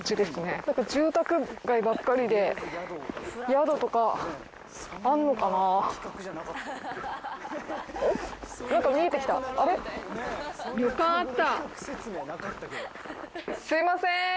すいません！